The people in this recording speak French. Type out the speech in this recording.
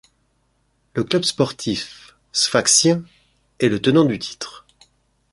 Le Club sportif sfaxien est le tenant du titre.